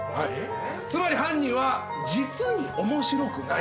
つまり犯人は実に面白くないんです。